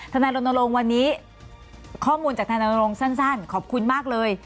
ธนาลงวันนี้ข้อมูลจากธนตรงสั้นขอบคุณมากเลย